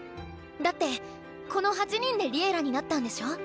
だってこの８人で「Ｌｉｅｌｌａ！」になったんでしょ？